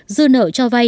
dư nợ cho vay